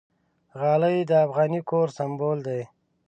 غالۍ د افغاني کور سِمبول ده.